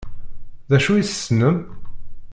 D acu i tessnem?